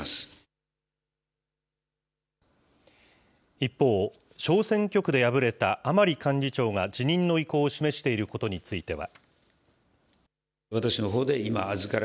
一方、小選挙区で敗れた甘利幹事長が辞任の意向を示していることについては。